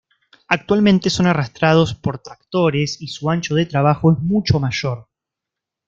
Actualmente son arrastrados por tractores y su ancho de trabajo es mucho mayor.